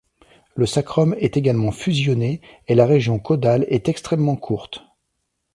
Le sacrum est également fusionné et la région caudale est extrêmement courte.